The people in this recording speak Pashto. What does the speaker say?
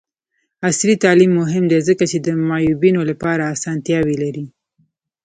عصري تعلیم مهم دی ځکه چې د معیوبینو لپاره اسانتیاوې لري.